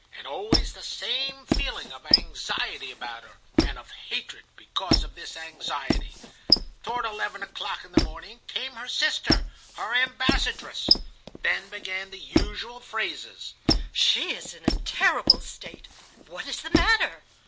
"And always the same feeling of anxiety about her, and of hatred because of this anxiety. "Toward eleven o'clock in the morning came her sister, her ambassadress. Then began the usual phrases: 'She is in a terrible state. What is the matter?